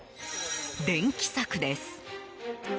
電気柵です。